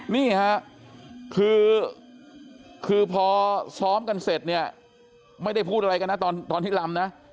นี่ค่ะคือพอซ้อมกันเสร็จเนี่ยไม่ได้พูดอะไรกันนะตอนที่ลำนะ